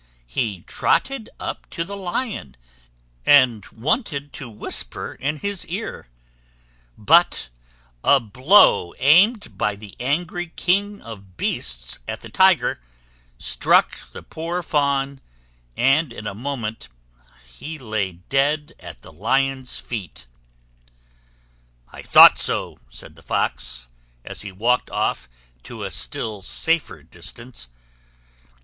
He trotted up to the Lion, and wanted to whisper in his ear; but a blow, aimed by the angry king of the beasts at the Tiger, struck the poor Fawn, and in a moment he lay dead at the Lion's feet. "I thought so," said the Fox, as he walked off to a still safer distance.